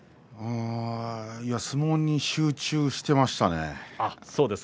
相撲に集中していましたね。